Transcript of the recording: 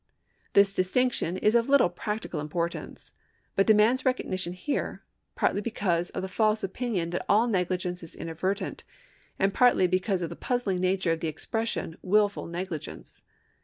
^ This distinction is of little practical importance, but demands recognition here, partly because of the false opinion that all negligence is inadvertent, and partly because of the puzzling nature of the expression wilful negligence.